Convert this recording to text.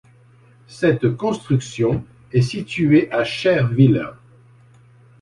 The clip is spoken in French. Cette construction est située à Scherwiller.